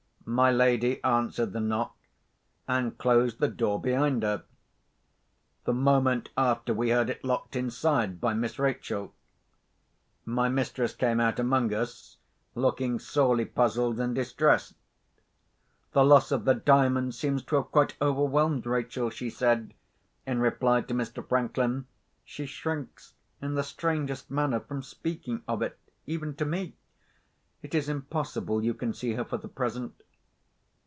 My lady answered the knock, and closed the door behind her. The moment after we heard it locked inside by Miss Rachel. My mistress came out among us, looking sorely puzzled and distressed. "The loss of the Diamond seems to have quite overwhelmed Rachel," she said, in reply to Mr. Franklin. "She shrinks, in the strangest manner, from speaking of it, even to me. It is impossible you can see her for the present."